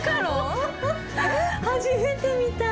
初めて見た！